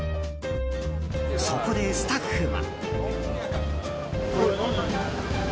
そこでスタッフは。